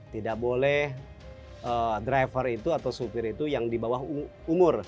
tidak boleh driver itu atau supir itu yang di bawah umur